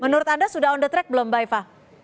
menurut anda sudah on the track belum mbak eva